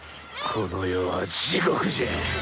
この世は地獄じゃ！